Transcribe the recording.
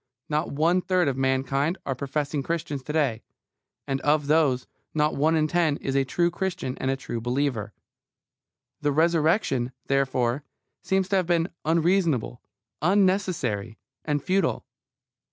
Not one third of mankind are professing Christians to day, and of those not one in ten is a true Christian and a true believer. The Resurrection, therefore, seems to have been unreasonable, unnecessary, and futile.